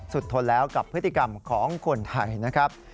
ทนแล้วกับพฤติกรรมของคนไทยนะครับ